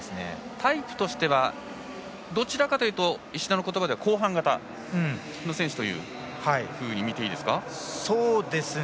タイプとしてはどちらかというと石田の言葉では後半型の選手だというふうに見ていいですか。